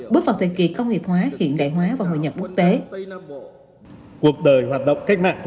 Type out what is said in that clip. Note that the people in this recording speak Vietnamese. bước vào thời kỳ công nghiệp hóa hiện đại hóa và hội nhập quốc tế